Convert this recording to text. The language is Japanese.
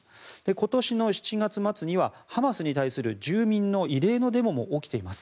今年の７月末にはハマスに対する住民の異例のデモも起きています。